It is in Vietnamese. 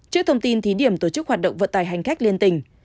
trước thông tin thí điểm tổ chức hoạt động vận tải hành khách liên tỉnh